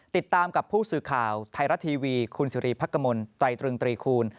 ติดตามกับผู้สื่อข่าวไทยรัฐทีวีคุณสิริพักกมลไตรตรึงตรีคูณ